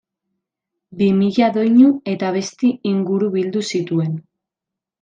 Bi mila doinu eta abesti inguru bildu zituen.